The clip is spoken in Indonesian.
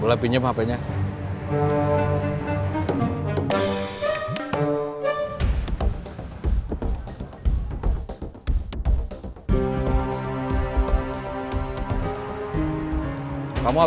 boleh pinjem hapenya